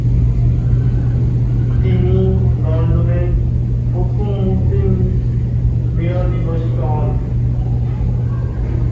তিনি লন্ডনের প্রথম মুসলিম মেয়র নির্বাচিত হন।